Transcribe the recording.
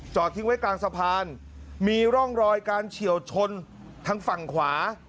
ทิ้งไว้กลางสะพานมีร่องรอยการเฉียวชนทางฝั่งขวา